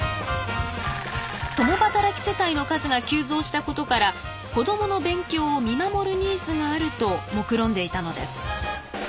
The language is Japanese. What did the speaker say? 共働き世帯の数が急増したことから子どもの勉強を見守るニーズがあるともくろんでいたのです。